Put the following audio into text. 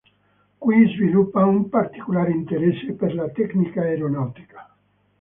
Qui sviluppa un particolare interesse per la tecnica aeronautica.